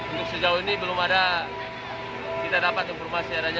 untuk sejauh ini belum ada kita dapat informasi adanya